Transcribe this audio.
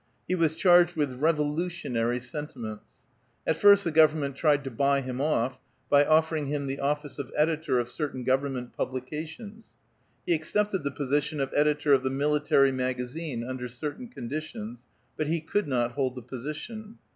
He was charged with revolutiouarj' sentiments. At first the government tried to buy him off, by offering him the office of editor of certain government publications. He accepted the position of editor of the "Military Magazine," under certain conditions, but he could not hold the position.